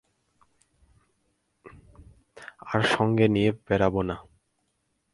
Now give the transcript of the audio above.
আর সঙ্গে নিয়ে বেড়াব না ।